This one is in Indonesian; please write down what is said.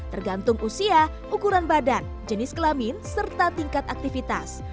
tergantung usia ukuran badan jenis kelamin serta tingkat aktivitas